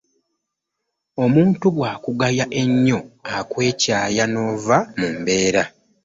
omuntu bw'akugaya ennyo akwekyaya n'ova mu mbeere.